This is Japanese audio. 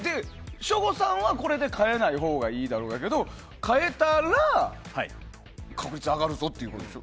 省吾さんは、これで変えないほうがいいだろうだけど変えたら確率が上がるぞってことですよ。